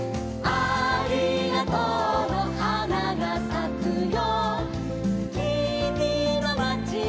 「ありがとうのはながさくよ」